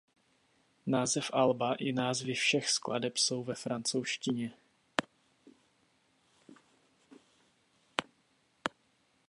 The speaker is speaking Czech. Název alba i názvy všech skladeb jsou ve francouzštině.